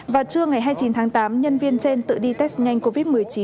vào trưa ngày hai mươi chín tháng tám nhân viên trên tự đi test nhanh covid một mươi chín